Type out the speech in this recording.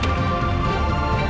saya akan mencari kepuasan